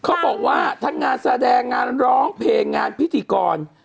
เขาบอกว่าทั้งงานแสดงงานร้องเพลงงานพิธีกร